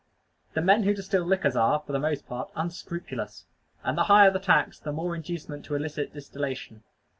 The men who distil liquors are, for the most part, unscrupulous; and the higher the tax, the more inducement to illicit distillation.